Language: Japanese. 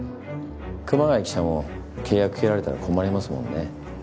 熊谷記者も契約切られたら困りますもんね。